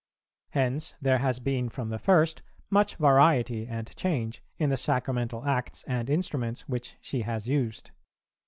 Hence there has been from the first much variety and change, in the Sacramental acts and instruments which she has used.